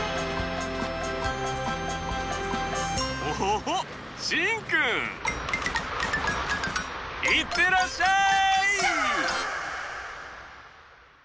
おっしんくん！いってらっしゃい！